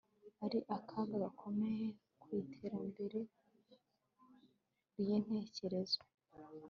ari akaga gakomeye ku iterambere ryintekerezo